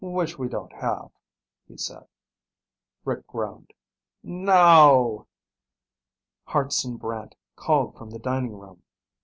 "Which we don't have," he said. Rick groaned. "No!" Hartson Brant called from the dining room.